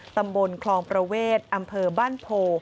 ตำบลคลองประเวทอำเภอบ้านโพ